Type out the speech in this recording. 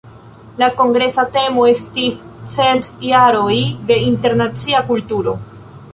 La kongresa temo estis "Cent jaroj de internacia kulturo".